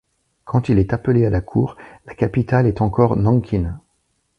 Quand il est appelé à la cour, la capitale est encore Nankin.